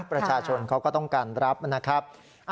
ประชาชนเขาก็ต้องการรับนะครับ